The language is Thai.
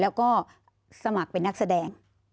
แล้วก็สมัครเป็นนักแสดง